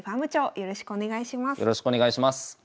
よろしくお願いします。